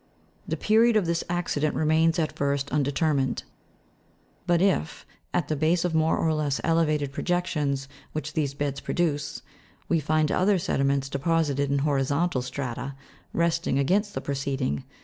The period of this accident remains at first undetermined ; but if, at the base of more or less elevated projections which these beds produce, we find other sediments deposited in horizontal strata, resting against the preceding (Jig.